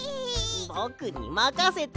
ぼくにまかせて！